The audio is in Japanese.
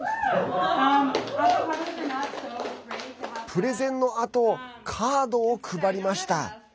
プレゼンのあとカードを配りました。